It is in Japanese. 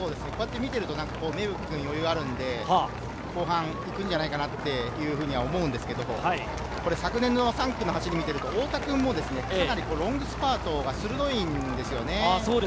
芽吹君、余裕があるので、後半、行くんじゃないかなと思うんですけれど昨年の３区の走りを見ていると、太田君もかなりロングスパートが鋭いんですよね。